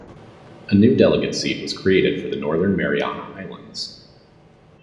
A new delegate seat was created for the Northern Mariana Islands.